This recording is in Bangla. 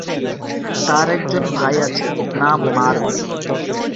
তার একজন ভাই আছে, নাম মার্ক।